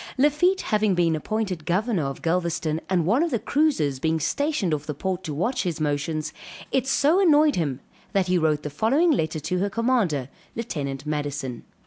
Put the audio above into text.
Lafitte having been appointed governor of Galvezton and one of the cruisers being stationed off the port to watch his motions, it so annoyed him that he wrote the following letter to her commander, Lieutenant Madison.